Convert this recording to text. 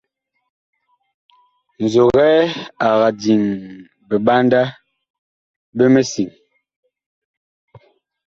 Nzogɛ ag diŋ biɓanda bi misiŋ́.